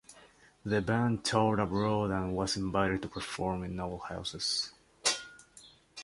The band toured abroad and was invited to perform in noble houses.